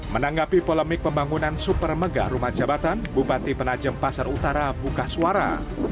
menanggapi polemik pembangunan super megah rumah jabatan bupati penajem pasar utara buka suara